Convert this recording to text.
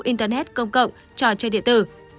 internet công cộng cho chơi điện tử